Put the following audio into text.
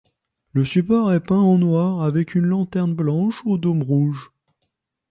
Le support est peint en noir avec une lanterne blanche au dôme rouge.